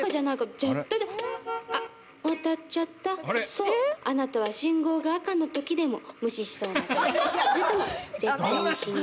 そうあなたは信号が赤の時でも無視しそうなタイプか。